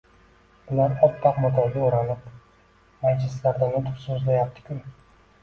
Bular oppoq matoga o‘ranib, majlislarda nutq so‘zlayapti-ku.